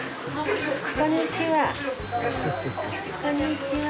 こんにちは。